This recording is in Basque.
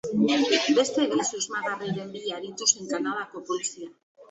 Beste bi susmagarriren bila aritu zen Kanadako Polizia.